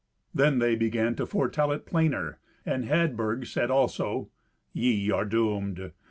Then they began to foretell it plainer, and Hadburg said also, "Ye are doomed.